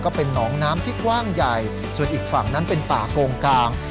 ก็เป็นหนองน้ำที่กว้างใหญ่ส่วนอีกฝั่งนั้นเป็นป่าโกงกลาง